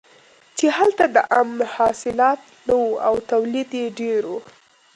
چې هلته د عم حاصلات نه وو او تولید یې ډېر و.